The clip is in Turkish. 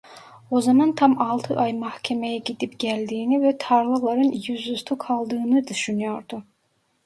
O zaman tam altı ay mahkemeye gidip geldiğini ve tarlaların yüzüstü kaldığını düşünüyordu.